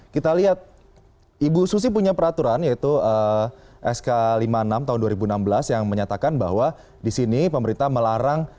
kita lihat ibu susi punya peraturan yaitu sk lima puluh enam tahun dua ribu enam belas yang menyatakan bahwa di sini pemerintah melarang